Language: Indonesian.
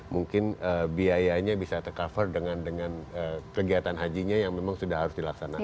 mungkin biayanya bisa tercover dengan kegiatan hajinya yang memang sudah harus dilaksanakan